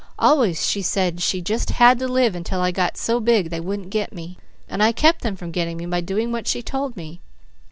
_ Always she said she just had to live until I got so big they wouldn't 'get' me. And I kept them from getting me by doing what she told me.